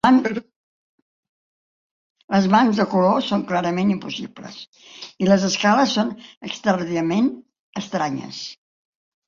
Les mans de color són clarament impossibles, i les escales són extraordinàriament estranyes.